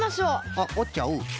あっおっちゃう。